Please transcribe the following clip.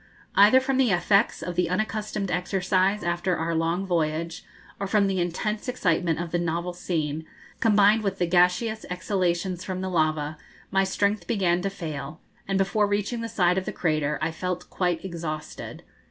Either from the effects of the unaccustomed exercise after our long voyage, or from the intense excitement of the novel scene, combined with the gaseous exhalations from the lava, my strength began to fail, and before reaching the side of the crater I felt quite exhausted.